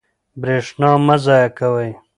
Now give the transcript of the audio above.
برښنا مه ضایع کوئ.